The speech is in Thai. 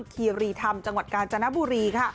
คียรีธรรมจังหวัดกาลจานบุรีค่ะ